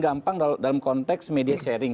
gampang dalam konteks media sharing